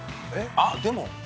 あっでも。